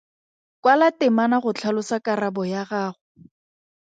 Kwala temana go tlhalosa karabo ya gago.